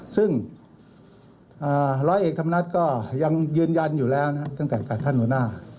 ซึ่งร้อยเอกธรรมนัฐก็ยังยืนยันอยู่แล้วนะครับตั้งแต่กับท่านหัวหน้า